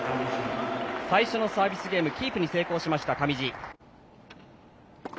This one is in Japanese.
最初のサービスゲームキープに成功しました上地。